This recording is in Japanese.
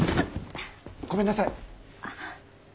ごめんなさい。